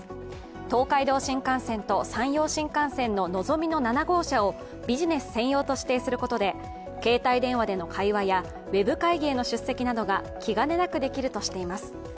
東海道新幹線と山陽新幹線ののぞみの７号車をビジネス専用として指定することで携帯電話での会話やウェブ会議への出席などが気兼ねなくできるとしています。